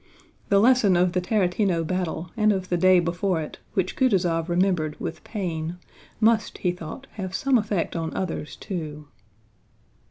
The lesson of the Tarútino battle and of the day before it, which Kutúzov remembered with pain, must, he thought, have some effect on others too.